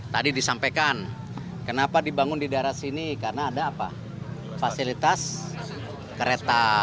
tadi disampaikan kenapa dibangun di daerah sini karena ada fasilitas kereta